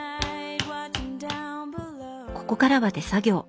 ここからは手作業。